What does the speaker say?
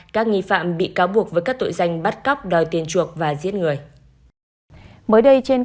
các nghi phạm bị cáo buộc với các tội danh bắt cóc đòi tiền chuộc và giết người